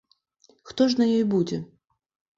Хто ж на ёй будзе?